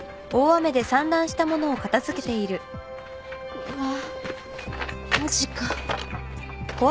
うわマジか。